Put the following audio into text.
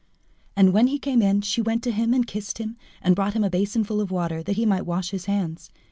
And when he came in, she went to him and kissed him, and brought him a basin full of water that he might wash his hands.